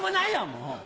もう。